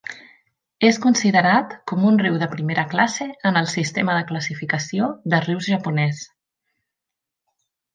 És considerat com un "riu de primera classe" en el sistema de classificació de rius japonès.